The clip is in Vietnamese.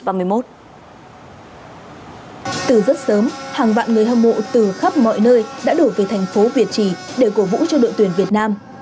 từ rất sớm hàng vạn người hâm mộ từ khắp mọi nơi đã đổ về thành phố việt trì để cổ vũ cho đội tuyển việt nam